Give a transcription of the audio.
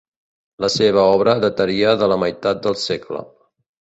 La seva obra dataria de la meitat del segle.